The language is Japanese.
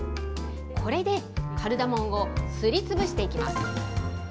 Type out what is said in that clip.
これでカルダモンをすりつぶしていきます。